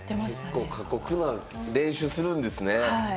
結構、過酷な練習するんですね。